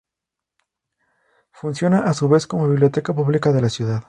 Funciona a su vez como Biblioteca Pública de la Ciudad.